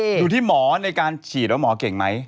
ยี่ห้ออะไรล่ะ